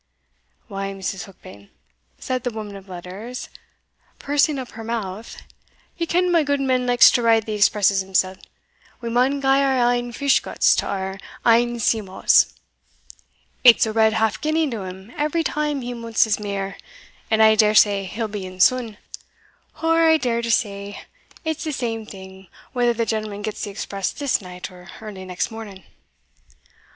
"Why, Mrs. Heukbane," said the woman of letters, pursing up her mouth, "ye ken my gudeman likes to ride the expresses himsell we maun gie our ain fish guts to our ain sea maws it's a red half guinea to him every time he munts his mear; and I dare say he'll be in sune or I dare to say, it's the same thing whether the gentleman gets the express this night or early next morning."